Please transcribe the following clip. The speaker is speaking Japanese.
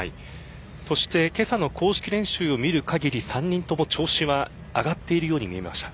そしてけさの公式練習を見る限り３人とも調子は上がっているように見えました。